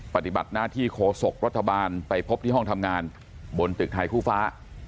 ปฏิบัติหน้าที่โคศกรัฐบาลไปพบที่ห้องทำงานบนตึกไทยคู่ฟ้า